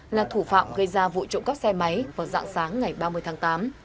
là thủ phạm gây ra vụ trộm cắp xe máy vào dạng sáng ngày ba mươi tháng tám